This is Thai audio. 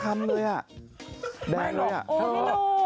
ไม่หรอก